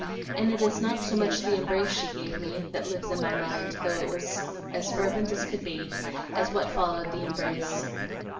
And it is not so much the embrace she gave me, that lives in my mind, though it was as fervent as could be, as what followed the embrace.